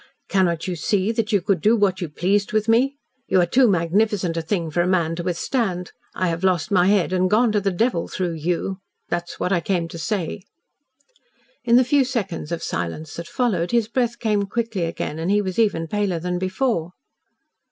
"Cannot you see that you could do what you pleased with me? You are too magnificent a thing for a man to withstand. I have lost my head and gone to the devil through you. That is what I came to say." In the few seconds of silence that followed, his breath came quickly again and he was even paler than before.